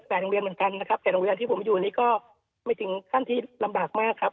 โรงเรียนเหมือนกันนะครับแต่โรงเรียนที่ผมอยู่นี่ก็ไม่ถึงขั้นที่ลำบากมากครับ